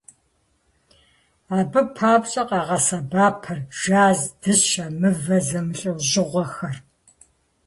Абы папщӀэ къагъэсэбэпырт жэз, дыщэ, мывэ зэмылӀэужьыгъуэхэр.